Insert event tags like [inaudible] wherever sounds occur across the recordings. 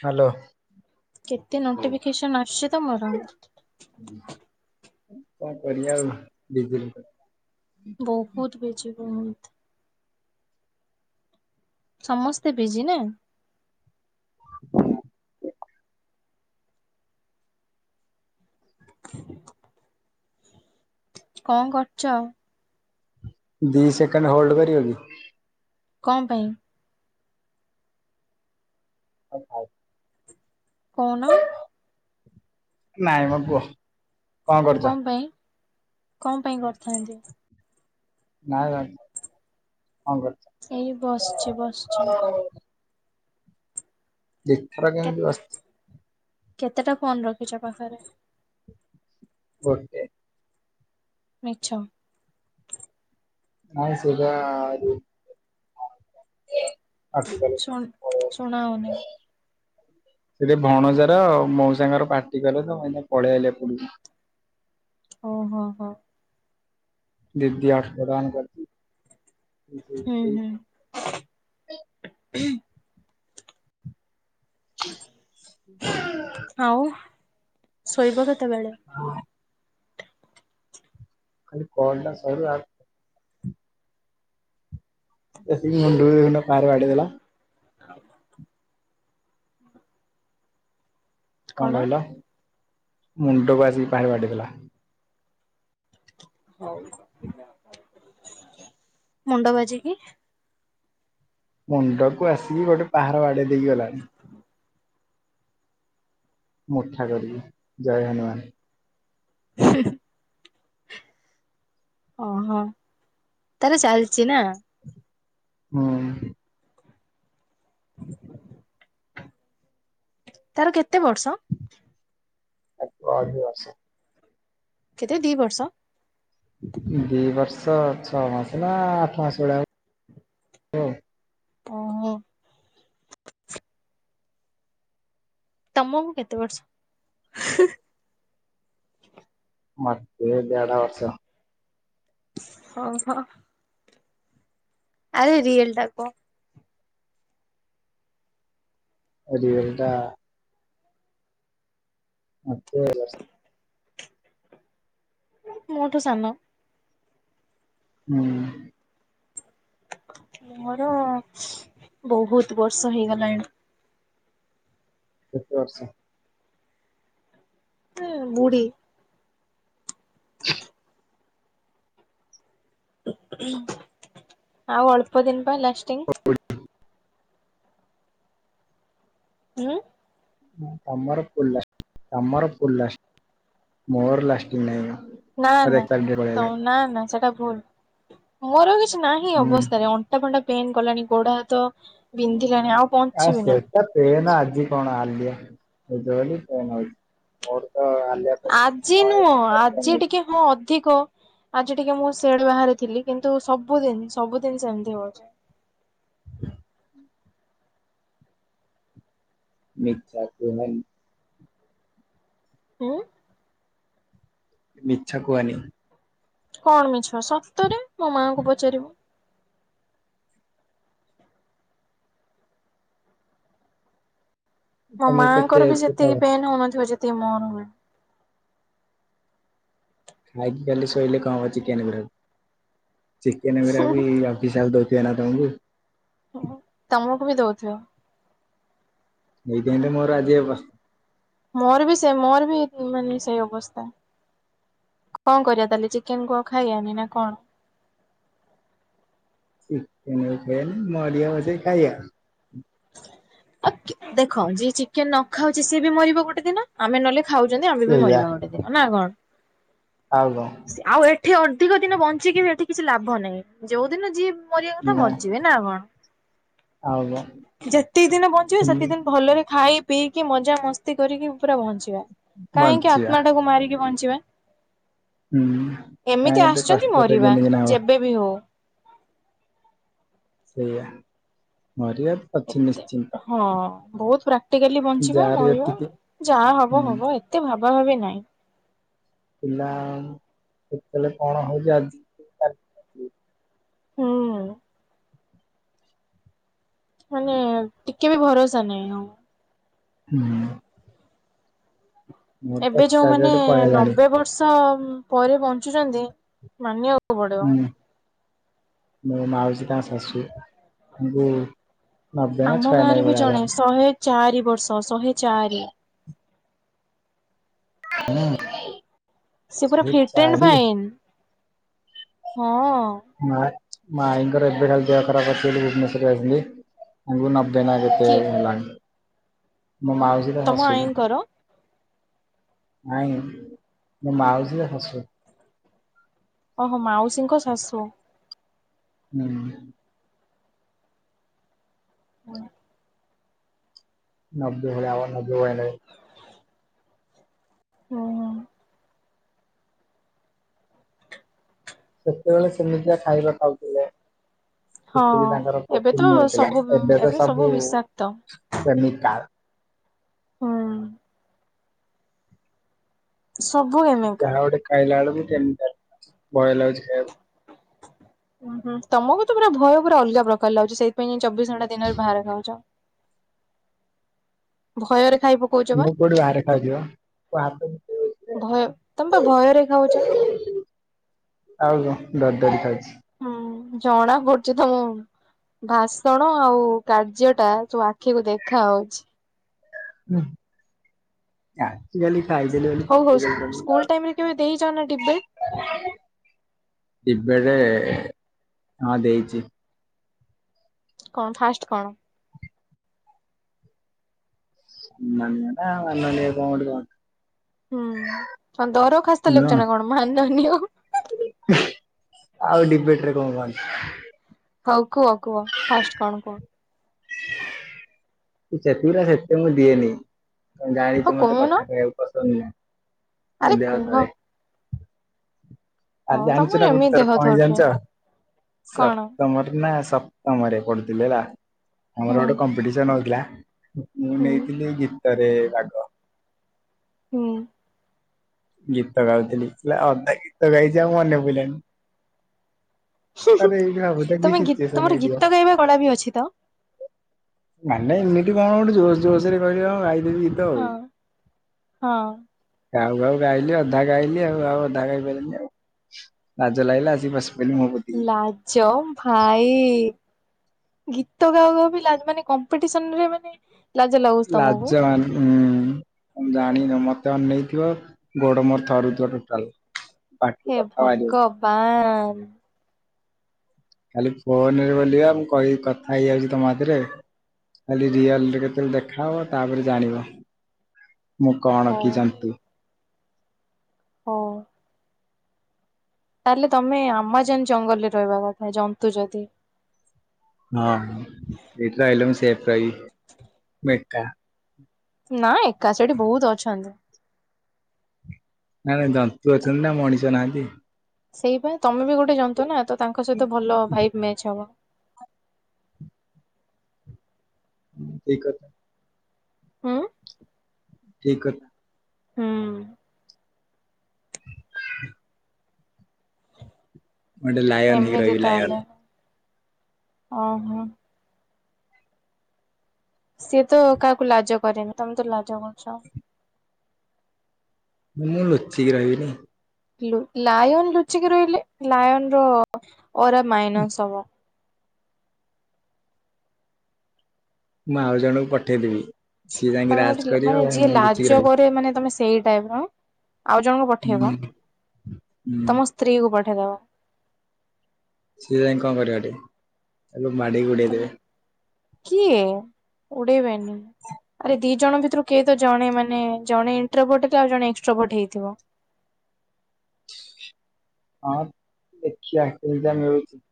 Hello. କେତେ notification ଆଶୁଛି ତମର? କଣ କରିବା ଆଉ ବିଜି ରେ ବହୁତ ବିଯି ବହୁତ। ସମସ୍ତେ ବିଜି ନା? [unintelligible] କଣ କରୁଛ? ଦି ସେକେଣ୍ଡ ହୋଲ୍ଡ କରିିବକି? କଣ ପାଇଁ? ନାଇଁ ଥାଉ। କୋଉନ? ନାଇଁ ମ କୁହ? କଣ ପାଇଁ କଣ ପାଇଁ କରିଥାନ୍ତି? ନାଇଁ [unintelligible] ଏଇ ବସିଛି ବସଛି। କେତ [unintelligible] କେତେଟା ଫୋନ ରଖୁଛ ପାଖରେ? ଗୋଟେ। ମିଛ। ନାଇଁ ସେଇଟା [unintelligible] ଶୁଣ ଶୁଣା ହଉନି? ସେଠି ଭଣଜାର ମଉସାଙ୍କ ର ପାଟି କଲେ ତ ମୁଁ ଏ ପଳେଇ ଆଇଲି ଏପଟକୁ। ଓ ହୋ ହଁ। ଦିଦି ହଟସ୍ପଟ ଅନ୍ କରିଛି ହୁଁ ଦିଦି ହୁଁ [inaudible] ଆଉ ଶୋଇବ କେତେବେଳେ? ଖାଲି କଲ ଟା ସଇଲେ ଆଉ। ଏତିକି ମୁଣ୍ଡରେ ନା ଫାର ବାଡ଼େଇଦେଲା। ଆଉ କଣ କହିଲ? ମୁଣ୍ଡ ବାଜିକି ଭାଇ ବାଡ଼େଇଦେଲା। ମୁଣ୍ଡ ବାଯିକି ମୁଣ୍ଡକୁ ଆସିକି ଗୋଟେ ପାହାର ବାଡେଇ ଦେଇକି ଗଲାଣି। ମୁଠା କରିବି ଜୟ ହନୁମାନ ହ ଓହୋ ତାର ଚାଲିଛି ନା। ହୁଁ ତାର କେତେ ବର୍ଷ? ଏକୋଇଶି ବର୍ଷ। କେତେ ଦି ବର୍ଷ? ଦି ବର୍ଷ ଛଅ ମାସ ନା ଆଠ ମାସ ଭଳିଆ ହ ଓହୋ। ତମକୁ କେତେ ବର୍ଷ? ମତେ ଦେଢ଼ ବର୍ଷ। ଓହୋ ଆରେ ରିଏଲ୍ ଟା କହ। ରିଏଲ୍ ଟା ମତେ ଏ ବର୍ଷ ମୋଠୁ ସାନ। ହୁଁ ମୋର ବହୁତ ବର୍ଷ ହେଇଗଲାଣି। କେତେ ବର୍ଷ? ହ ବୁଢ଼ୀ ଆଉ ଅଳ୍ପ ଦିନ ପାଇଁ ଲାଷ୍ଟିଂ ହୁଁ ତମର ଫୁଲା ତମର ଫୁଲା ମୋର ଲାଷ୍ଟିଂ ନାହିଁ ମ। ନା ନା ମୋର ଏକାଡେମୀ ରେ ତ ପଳେଇଆଇଲାଣି ନା ନା ସେଟା ଭୁଲ ମୋର କିଛି ନାହିଁ ହୁଁ ଅବସ୍ଥାରେ ଅ ଅଣ୍ଟା ଫଣ୍ଟା ପେନ୍ କଲାଣି ଗୋଡ଼ ହାତ ବିନ୍ଧିଲାଣି ଆଉ ଆ ବଞ୍ଚିବି ନା। ସେଟା ପେନ୍ ଆଜି କଣ ଆଡିଆ ନଉଛ ବୋଲି ପେନ ହଉଛି ମୋର। ତ ଆଲିଆ ପେନ୍ ନ ଆଜି ହେଇଛି ନୁହଁ ତାର ପେନ୍ ଆଜି ହେଇଛି। ଟିକେ ହଁ ଅଧିକ ଆଜି ଟିକେ ମୁଁ ସେଆଡେ ବାହାରିଥିଲି, କିନ୍ତୁ ସବୁଦିନ ସବୁଦିନ ସେମିତି ହଉଛି। ହଁ ମିଚାକୁ ନାହିଁ। ହଁ ମିଛ କୁହନି। କଣ ମିଛ ସତରେ ମୋ ମାଆଙ୍କୁ ପଚାରିବୁ। ମୋ ତମକୁ କେତେ ମାଆଙ୍କର ବି ଏଜ୍ କେତେ ଯେତିକି ହବ? ପେନ୍ ହଉନଥିବ ଯେତିକି ମୋର ହୁଏ। ଖାଇକି ଖାଲି ଶୋଇଲେ କଣ ହବ ଚିକେନ ବିରି ଚିକେନ ବିରିୟାନୀ ଅଭିଶାପ ଦଉଥିବେ ନା ତମକୁ? ହୁଁ ତମକୁ ବି ଦଉଥିବେ। ଏଇଥି ପାଇଁ ତ ଆଜି ଏ ମୋର ଅବ ମୋର ବି ସେ ମୋର ବି ମାନେ ସେଇ ଅବସ୍ଥା। କଣ କରିବା ତାହେଲେ ଚିକେନକୁ ଆଉ ଖାଇବା ନି ନା କଣ? ଚିକେନ ମଲିଆ ବସେଇ ଖାଇବା। ଦେଖ ଯିଏ ଚିକେନ ନ ଖାଉଛି ସିଏ ବି ମରିବ ଗୋଟେ ଦିନ ଆମେ ନହେଲେ ଖାଉଛନ୍ତି ଆମେ ବି ସେଇଆ ମରିବା ଗୋଟେ ଦିନ ନା କଣ? ଆଉ କ ଆଉ ଏଠି ଅଧିକ ଦିନ ବଞ୍ଚିକି ବି ଏଠି କିଛି ଲାଭ ନାହିଁ ଯୋଉଦିନ ଯିଏ ମରିବା କଥା ନା ମରିଯିବେ ନା କଣ? ଆଉ କଣ ଯେତିକି ଦିନ ବଞ୍ଚିବେ ସେତିକି ସେମିତି ଦିନ ଭଲରେ ଖାଇ ପିଇକି ମଜା ମସ୍ତି କରିକି ପୁରା ବଞ୍ଚିବା କାହିଁକି ବଞ୍ଚିବା। ଆତ୍ମା ଟାକୁ ମାରିକି ବଞ୍ଚିବା। ହୁଁ। କାଇଁ ଏମିତି ଏତେ ଆସିଛନ୍ତି କଷ୍ଟରେ ମରିବା କେମିତିକିନା ହବ। ଯେବେ ବି ହଉ। ସେଇଆ ମରିିବା ଅଛି ଏତେ ନିଶ୍ଚିନ୍ତ। ହଁ ବହୁତ ପ୍ରାକ୍ଟିକାଲି ବଞ୍ଚିବା ଯାହାର ମରିବା ଯେତିକି ଯାହା ହବ ହୁଁ ହବ ଏ ଏତେ ଭାବା ଭାବି ନାଇଁ। ପିଲା ହଷ୍ଟେଲେ କଣ ହଉଛି ଆଜି? ହୁଁ। ମାନେ ଟିକେ ବି ଭରସା ନାହିଁ ଆଉ। ହୁଁ। ମୋର ଏବେ ତ ଏକ୍ସପାରି ଯୋଉମାନେ ଡେଟ୍ ପଳେଇଲାଣି ନବେ ବର୍ଷ ପରେ ବଞ୍ଚୁଛନ୍ତି ମାନିବା ହୁଁ ମୋ ମାଉସୀ ତା ଶାଶୁ ତାଙ୍କୁ ନବେ ନା ଆମ ଛୟାନବେ ଗାଁରେ ବି ଭଳିଆ ଜଣେ ହେଲାଣି ଶହେ ଚାରି ବର୍ଷ ଶହେ ଚାରି। ହ। [inaudible] ସେ ପୁରା ଫିଟେନ ଫାଇନ ହଁ। ମା ମାଇଙ୍କର ଏବେ ଖାଲି ଖରାପ ଅଛି ବୋଲି ଭୁବନେଶ୍ୱର ଆଇଥିଲି। ଆକୁ ନବେ ନା କେତେ କିଏ ହେଲାଣି ମୋ ମାଉସୀର ତମ ଶାଶୁ। ଆଈଙ୍କର ନାଇଁ ମୋ ମାଉସୀର ଶାଶୁ। ଓହୋ ମାଉସୀଙ୍କ ଶାଶୁ। ହୁଁ। ହୁଁ। [unintelligible] ହୁଁ। ସେତେବେଳେ ସେମିତିଆ ଖାଇବା ଖାଉଥିଲେ। ହଁ ସେତିକି ତାଙ୍କର ଏବେ ତ ପ୍ରୋଟିନ ମିଳୁଥିଲା ସବୁ ଏବେ ତ ସବୁ ବିଷାକ୍ତ। ପ୍ରମିକା ହୁଁ ସବୁ କେମିକାଲ। ଯାହା ଗୋଟେ ଖାଇଲା ବେଳକୁ କେମିକାଲ ଭୟ ଲାଗୁଛି ଖାଇବାକୁ। ଉୁଁ ହୁଁ ତମକୁ ତ ପୁରା ଭୟ ପୁରା ଅଲଗା ପ୍ରକାର ଲାଗୁଛି ସେଇଥିପାଇଁ ଚବିଶ ଘଣ୍ଟା ଦିନରେ ବାହାରେ ଖାଉଛ। ଭୟରେ ଖାଇବ। ମୁଁ କୁଆଡେ ବାହାରେ ଖାଉଛି ବା। [unintelligible] ଭୟ ତମେ ବା ଭୟରେ ଖାଉଛ। ଆଉ [unintelligible] ଡରି ଡରି ଖାଉଛି। ହୁଁ ଜଣା ପଡୁଛି ତମ ଭାଷଣ ଆଉ କାର୍ଯ୍ୟଟା ତୋ ଆଖିକୁ ଦେଖାହଉଛି। ହୁଁ, ଆଜିିକାଲି ଖାଇଦେଲି ବୋଲି ହଉ ହଉ ପଠେଇ ଦେଲେ ସ୍କୁଲ ଟାଇମରେ କେବେ ଦେଇଛ ନା ଡିବେଟ ତାକୁ [inaudible] ଇବେଡ଼ ହଁ ଦେଇଚି। କଣ ଫାଷ୍ଟ କଣ? ସମ୍ମାନୀୟ ନା ମାନନୀୟ କଣ ଗୋଟେ କହନ୍ତି? ହୁଁ, କଣ ଦରଖାସ୍ତ ନୁହଁ ଲେଖୁଛ ନା କଣ ମାନନୀୟ। ଆଉ ଡିବେଟରେ କଣ କହନ୍ତି? ହଉ କୁହ କୁହ ଫାଷ୍ଟ କଣ କୁହ? ମୁଁ ସେତିଗୁରା ସେତେ ମୁଁ ଦିଏନି, ତମେ ହଉ ଜାଣିଛ ମତେ କହୁନ। କଥା କହିବାକୁ ପସନ୍ଦ ନୁହଁ। ମୋ ଆରେ ଦେହ କୁହ ଥରେ। ଆ ହଁ ଜାଣିଛ ତମର ନା ଏମିତି ଗୋଟେ ଦେହ ଥର କଣ ହେଇଚି ଧରୁଛି ଜାଣିଛ? କଣ ସେପ୍ତମରେ ନା ସ୍ ପ୍ତମରେ ପଡୁଥିଲି ହେଲା, ଆମର ହୁଁ ଗୋଟେ କମ୍ପିଟିସନ ହଉଥିଲା ମୁଁ ହୁଁ ନେଇଥିଲି ଗୀ ଭିତରେ ବାଘ। ହୁଁ ଗୀତ ଗାଉଥିଲି ହେଲା ଅଧା ଗୀତ ଗାଇଛି ଆଉ ମନେ ପଇଲାନି। ଆରେ ଏଇକ୍ଷିଣା ଭାବୁତା କି ତମେ ଗୀ ସିଚୁଏସନ ତମର ହେଇଥିବ? ଗୀତ ଗାଇବା କଳା ବି ଅଛି ତ ମାନେ ଏମିତି କଣ ଗୋଟେ ଜୋସ୍ ଜୋସରେ କହିଲି କଣ ଗାଇଦେବି। ଆଉ। ହଁ, ହଁ। ଗାଉ ଗାଉ ଗାଇଲି, ଅଧା ଗାଇଲି ଆଉ ଆଉ ଅଧା ଗାଇ ପାଇଲିନି ଆଉ, ଲାଜ ଲାଗିଲା ଆସିକି ବସି ପଇଲି ମୁହଁ ପୋ ଲାଜ ଭାଇ ଇ, ଗୀତ ଗାଉ ଗାଉ ବି ଲାଜ୍ ମାନେ କମ୍ପିଟିସନରେ ମାନେ ଲାଜ ଲାଗୁଛି ତମକୁ ଲାଜବାନ୍। ହୁଁ ତମେ ଜାଣିନ ମତେ ଅନେଇଥିବ ଗୋଡ ମୋର ଥରୁଥିବ ଟୋଟାଲ୍। ହେ ଭଗବାନ! କାଲି ଫୋନରେ ବୋଲିବା ମୁଁ କହି କଥା ହେଇଯାଉଛି ତମ ହାତରେ। ଖାଲି ରିଅଲରେ କେତେବେଳେ ଦେଖାହବ ତାପରେ ଜାଣିବ ମୁଁ କଣ ହଉ କି ଜନ୍ତୁ। ହଁ ତାହେଲେ ତମେ ଆମାଜନ୍ ଜଙ୍ଗଲରେ ରହିବା କଥା ଜନ୍ତୁ ଯଦି। ହଁ ସେଇଟି ରହିଲେ ମୁ ସେଫ୍ ରହିବି, ମୁ ଏକା। ନାଁ ଏକା ସେଠି ବହୁତ ଅଛନ୍ତି। ନାଇଁ ନାଇଁ ଜନ୍ତୁ ଅଛନ୍ତି ନା ମଣିଷ ନାହାନ୍ତି। ସେଇପାଇଁ ତମେ ବି ଗୋଟେ ଜନ୍ତୁ ନା ତ ତାଙ୍କ ସହିତ ଭଲ ଭାଇବ୍ ମ୍ୟାଚ୍ ହବ। ହଁ ଠିକ୍ କଥା। ହୁଁ ଠିକ୍ କଥା। ହୁଁ [inaudible] ମୁଁ ଗୋଟେ ଲାୟନ ହେଇକି ଏମିତି ରହିବି ଲାୟନ ତାହେଲେ, ଓହୋ। ସିଏ ତ କାହାକୁ ଲାଜ କରେନି ତମେ ତ ଲାଜ କରୁଛ। ମୁଁ ମୁଁ ଲୁଚିକି ରହିବିନି। ହିଲୁ ଲାୟନ ଲୁଚିକି ରହିଲେ ଲାୟନର ଓରା ମାଇନସ୍ ହବ। ମୁଁ ଆଉ ଜଣଙ୍କୁ ପଠେଇଦେବି। ସିଏ ଯାଇକି ତମେ ରାଜ ଗୋଟେ ଲ୍ କରିବ ମାନେ ଆଉ ଯିଏ ମୁଁ ଲୁଚିକି ଲାଜ ରହିବି କରେ ମାନେ ତମେ ସେଇ ଟାଇପର। ଆଉ ଜଣଙ୍କୁ ହୁଁ। ପଠେଇବ ହୁଁ ତମ ସ୍ତ୍ରୀ କୁ ପଠେଇଦବ। ସିଏ ଯାଇଁ କଣ କରିବ ହେଠି ତାକୁ ମାଡିକି ତମେ ଉଡେଇଦେବେ। କିଏ ଉଡେଇବେନି। ଆରେ ଦି ଜଣ ଭିତରୁ କିଏ ତ ଜଣେ ମାନେ ଜଣେ ଇଣ୍ଟ୍ରଭୋଟ ଆଉ ଜଣେ ଏକ୍ସଟ୍ରାଭୋଟ ହେଇଥିବ। ହଁ ଦେଖିଆ କଉ ଯା ମିଳୁଛି।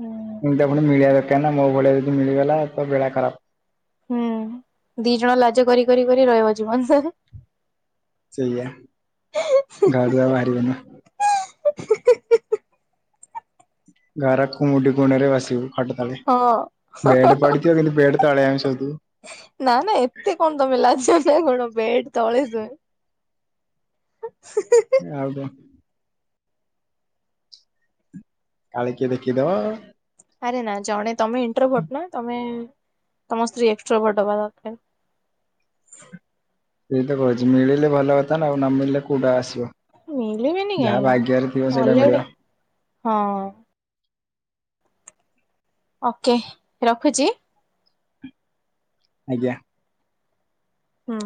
ହୁଁ ଏମିତିଆ ପୁଣି ମିଳିବା ଦରକାର ନା ମୋ ଭଳିଆ ଯଦି ମିଳିଗଲା ତା ବେଳା ଖରାପ। ହୁଁ ଦି ଜଣ ଲାଜ କରି କରି କରି ରହିବ ଜୀବନ [unintelligible] ସୋୟା ଗାଡୁଆ ବାହାରିବନି। ଗାର କୁମୁଡି କୁଣରେ ବସିବୁ ଖଟ ତଳେ ହଁ। ବେଡ ପଡି। ଥିବ କିନ୍ତୁ ବେଡ ତଳେ ଆମେ ଶୋଉଥିବୁ। ନା ନା ଏତେ କଣ ତମେ ଲାଜ ନା କଣ ବେଡ ତଳେ [unintelligible] ଏ ଆଉ କଣ? କାଳେ କିଏ ଦେଖିଦବ। ଆରେ ନା ଜଣେ ତମେ ଇଣ୍ଟ୍ରଭୋଟ ନା ତମେ ତମ ସ୍ତ୍ରୀ ଏକ୍ସଟ୍ରୋଭୋଟ ଦବା ଦରକାର। ସେଇ ତ କହୁଛି ମିଳିଲେ ଭଲ କଥା ନା ଆଉ ନ ମିଳିଲେ କୋଉଟା ଆସିବ। ମିଳିବେନି ଯାହା କାହିଁକି ଭାଗ୍ୟରେ ଥିବ ସେଇଟା ମିଳିବ। ଅଲରେଡି ହଁ। ଓକେ ରଖୁଛି। ଆଜ୍ଞା। ହୁଁ।